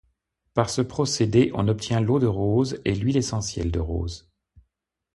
Par ce procédé on obtient l’eau de rose et l'huile essentielle de rose.